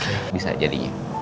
oke bisa jadinya